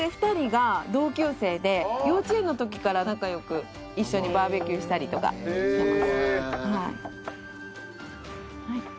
幼稚園の時から仲良く一緒にバーベキューしたりとかしてます。